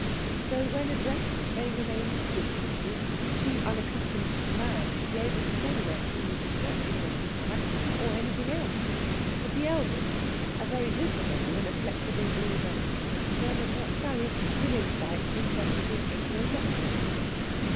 So, when addressed, they remained a speechless group, too unaccustomed to man to be able to say where keys of churches were to be had, or anything else. But the eldest, a very little girl in a flexible blue bonnet, murmured what Sally, with insight, interpreted into a reference.